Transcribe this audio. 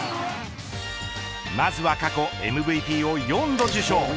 まずは過去ＭＶＰを４度受賞